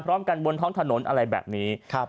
พร้อมกันบนท้องถนนอะไรแบบนี้